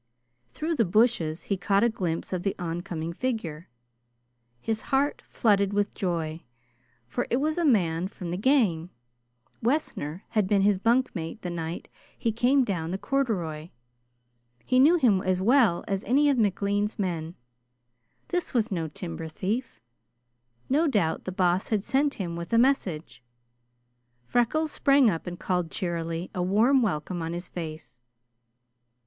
Through the bushes he caught a glimpse of the oncoming figure. His heart flooded with joy, for it was a man from the gang. Wessner had been his bunk mate the night he came down the corduroy. He knew him as well as any of McLean's men. This was no timber thief. No doubt the Boss had sent him with a message. Freckles sprang up and called cheerily, a warm welcome on his face.